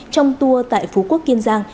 trong tour tại phú quốc kiên giang